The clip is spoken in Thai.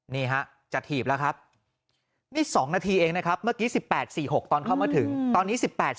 นี่ฮะจะถีบแล้วครับนี่๒นาทีเองนะครับเมื่อกี้๑๘๔๖ตอนเข้ามาถึงตอนนี้๑๘